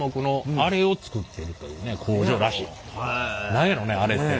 何やろねアレって。